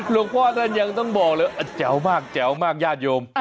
พ่อท่านยังต้องบอกเลยแจ๋วมากแจ๋วมากญาติโยม